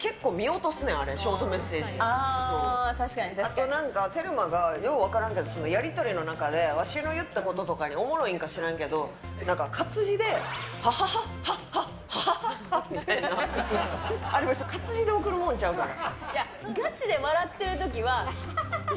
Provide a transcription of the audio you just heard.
あと、テルマがよう分からんけどやり取りの中でわしの言ったこととかに面白いんか知らんけど活字で「ははははっはっははｈｈはっｈ」みたいなあれ、活字で送るもんちゃうから。